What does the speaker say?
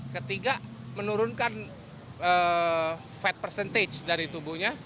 ketiga menurunkan fat percentage dari tubuhnya